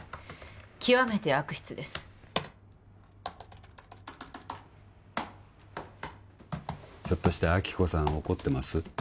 極めて悪質ですひょっとして亜希子さん怒ってます？